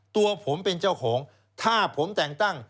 ตัวผมเป็นเจ้าของถ้าผมแต่งตั้ง